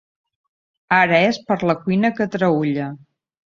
Ara és per la cuina que traülla.